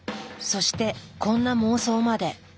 そしてこんな妄想まで。